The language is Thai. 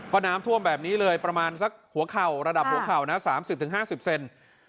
ก็น้ำท่วมแบบนี้เลยประมาณสักหัวเข่าระดับหัวเข่านะ๓๐๕๐เซน